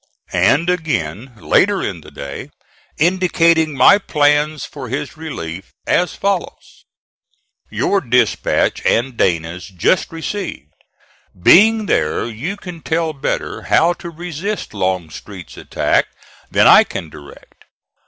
And again later in the day, indicating my plans for his relief, as follows: "Your dispatch and Dana's just received. Being there, you can tell better how to resist Longstreet's attack than I can direct.